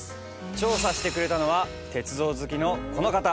調査してくれたのは鉄道好きの、この方。